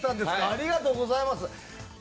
ありがとうございます。